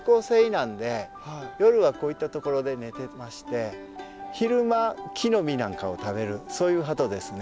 なんで夜はこういったところで寝てまして昼間木の実なんかを食べるそういうハトですね。